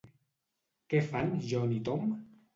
Què fan John i Tom?